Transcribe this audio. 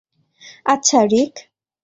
আচ্ছা, রিক।